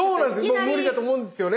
もう無理だと思うんですよね。